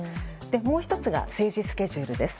もう１つが政治スケジュールです。